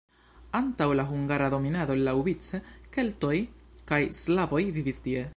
Antaŭ la hungara dominado laŭvice keltoj kaj slavoj vivis tie.